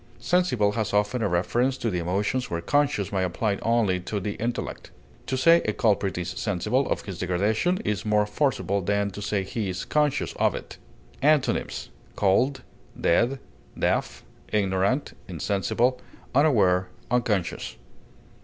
Sensible has often a reference to the emotions where conscious might apply only to the intellect; to say a culprit is sensible of his degradation is more forcible than to say he is conscious of it. Antonyms: cold, dead, deaf, ignorant, insensible, unaware, unconscious.